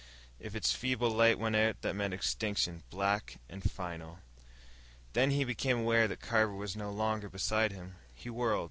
If its feeble flame went out, that meant extinction, black and final. Then he became aware that Carver was no longer beside him. He whirled.